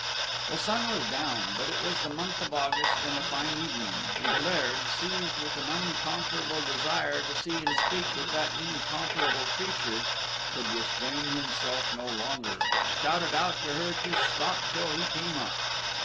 The sun was down, but it was the month of August and a fine evening, and the Laird, seized with an unconquerable desire to see and speak with that incomparable creature, could restrain himself no longer, but shouted out to her to stop till he came up.